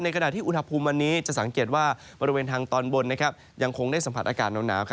ขณะที่อุณหภูมิวันนี้จะสังเกตว่าบริเวณทางตอนบนยังคงได้สัมผัสอากาศหนาว